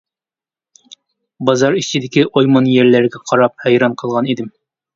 بازار ئىچىدىكى ئويمان يەرلەرگە قاراپ ھەيران قالغان ئىدىم.